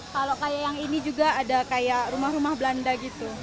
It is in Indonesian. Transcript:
kalau kayak yang ini juga ada kayak rumah rumah belanda gitu